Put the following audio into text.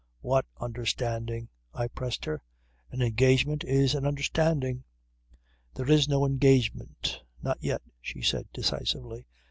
"What understanding?" I pressed her. "An engagement is an understanding." "There is no engagement not yet," she said decisively.